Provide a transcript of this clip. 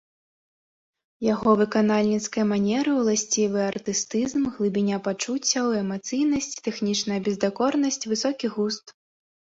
Яго выканальніцкай манеры ўласцівы артыстызм, глыбіня пачуццяў, эмацыйнасць, тэхнічная бездакорнасць, высокі густ.